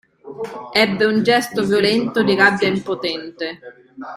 Ebbe un gesto violento di rabbia impotente.